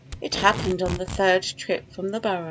It happened on the third trip from the burrow.